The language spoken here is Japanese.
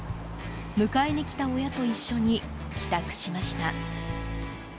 迎えに来た親と一緒に帰宅しました。